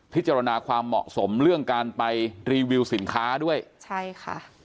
พิจารณาความเหมาะสมเรื่องการไปรีวิวสินค้าด้วยใช่ค่ะ